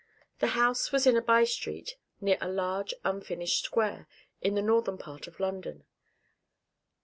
The house was in a by street near a large unfinished square, in the northern part of London.